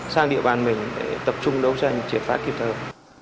sang địa bàn mình để tập trung đấu tranh triệt phá kịp thời